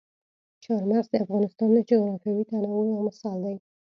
چار مغز د افغانستان د جغرافیوي تنوع یو مثال دی.